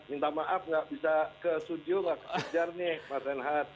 minta maaf nggak bisa ke studio nggak ajar nih mas renhat